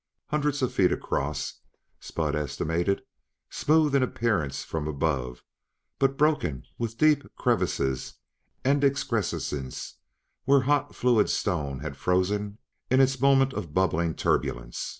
Hundreds of feet across, Spud estimated; smooth in appearance from above, but broken with deep crevasses and excrescences where hot, fluid stone had frozen in its moment of bubbling turbulence.